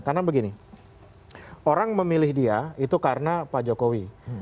karena begini orang memilih dia itu karena pak jokowi